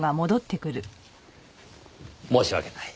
申し訳ない。